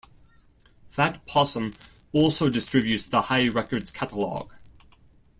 Fat Possum also distributes the Hi Records catalog.